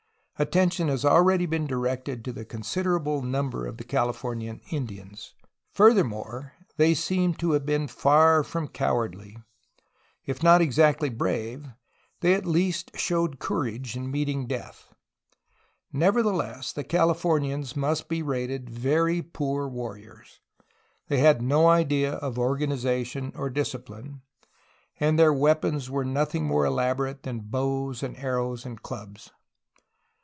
At tention has already been directed to the considerable num ber of the Californian Indians. Furthermore, they seem to have been far from cowardly; if not exactly brave, they at least showed courage in meeting death. Nevertheless, the Califomians must be rated very poor warriors. They had no idea of organization or discipline, and their weapons were nothing more elaborate than bows and arrows and clubs.